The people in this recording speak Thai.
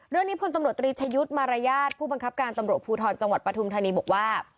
พลตำรวจตรีชยุทธ์มารยาทผู้บังคับการตำรวจภูทรจังหวัดปฐุมธานีบอกว่า